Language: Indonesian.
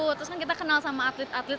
terus kan kita kenal sama atlet atlet